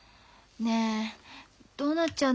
ねえどうなっちゃうの？